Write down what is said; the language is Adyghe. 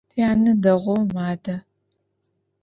Тянэ дэгъоу мадэ.